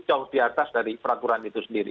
cong diatas dari peraturan itu sendiri